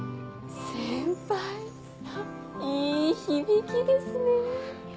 「先輩」いい響きですねぇ。